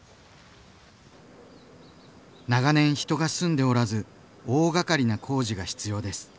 長年人が住んでおらず大がかりな工事が必要です。